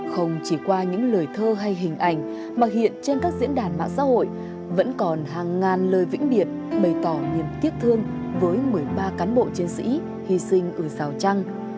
không chỉ qua những lời thơ hay hình ảnh mà hiện trên các diễn đàn mạng xã hội vẫn còn hàng ngàn lời vĩnh biệt bày tỏ niềm tiếc thương với một mươi ba cán bộ chiến sĩ hy sinh ở rào trăng